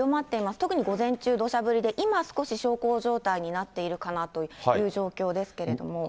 特に午前中どしゃ降りで、今少し小康状態になっているかなという状況ですけれども。